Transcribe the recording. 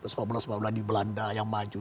sepuluh sepuluh di belanda yang maju